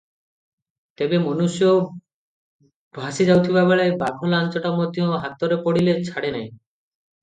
ତେବେ ମନୁଷ୍ୟ ଭାସି ଯାଉଥିବାବେଳେ ବାଘ ଲାଞ୍ଜଟା ମଧ୍ୟ ହାତରେ ପଡ଼ିଲେ ଛାଡ଼େ ନାହିଁ ।